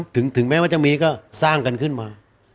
ถึงแม้ว่าจะมีก็สร้างกันขึ้นมา